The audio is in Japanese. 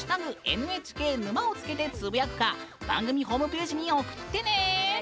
「＃ＮＨＫ沼」をつけてつぶやくか番組ホームページに送ってね！